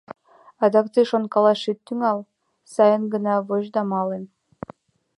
Адак тый шонкалаш ит тӱҥал, сайын гына воч да мале.